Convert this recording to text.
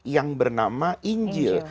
yang bernama injil